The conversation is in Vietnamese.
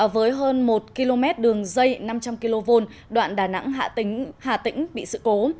với hơn một km đường dây năm trăm linh kv đoạn đà nẵng hà tĩnh bị sự cố